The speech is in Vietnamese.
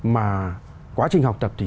mà quá trình học tập thì